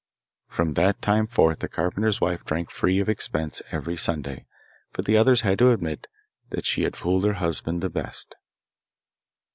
From that time forth the carpenter's wife drank free of expense every Sunday, for the others had to admit that she had fooled her husband the best.